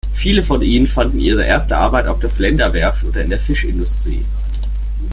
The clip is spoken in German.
Viele von ihnen fanden ihre erste Arbeit auf der Flender-Werft oder in der Fischindustrie.